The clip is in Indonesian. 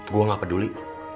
gue gak peduli